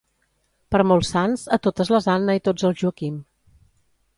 Per molts sants a totes les Anna i tots els Joaquim